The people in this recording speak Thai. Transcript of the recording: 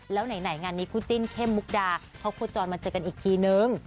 แล้วไหนงานนี้คู่จิ้นเข้มมุกดาเขาโคจรมาเจอกันอีกทีนึง